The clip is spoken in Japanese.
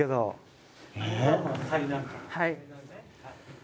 はい。